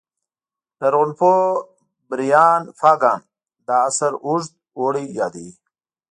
لرغونپوه بریان فاګان دا عصر اوږد اوړی یادوي